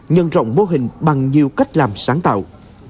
nhân rộng mô hình bằng nhiều cách làm sáng tạo